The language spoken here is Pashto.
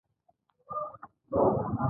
برېټانویانو د بازار موندنې بورډ تشکیل کړ.